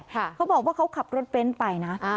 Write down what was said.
เขาบอกว่าเขาขับรถเบ้นไปนะ